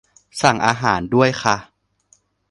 สั่งอาหารด้วยค่ะ